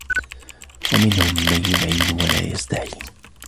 وَمِنْهُمْ مَنْ يُعِينُ وَلَا يَسْتَعِينُ